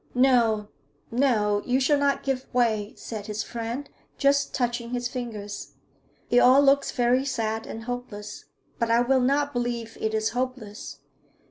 'No, no, you shall not give way,' said his friend, just touching his fingers. 'It all looks very sad and hopeless, but I will not believe it is hopeless.